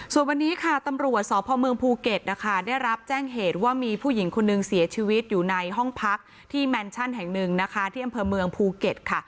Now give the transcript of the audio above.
ส่วนวันนี้ค่ะตำรวจสพเมืองภูเก็ตนะคะได้รับแจ้งเหตุว่ามีผู้หญิงคนนึงเสียชีวิตอยู่ในห้องพักที่แมนชั่นแห่งหนึ่งนะคะที่อำเภอเมืองภูเก็ตค่ะ